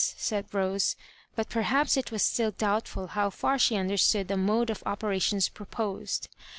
said Rose; but perhaps it was still doubtful how fiu she understood the mode of operations proposed.